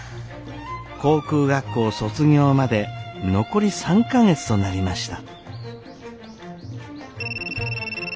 航空学校卒業まで残り３か月となりました。